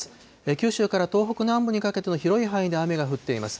九州から東北南部にかけての広い範囲で雨が降っています。